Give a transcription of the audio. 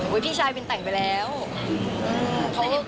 แบบปีชายเป็นแต่งไปแล้วเขาหมดหัวไปแล้ว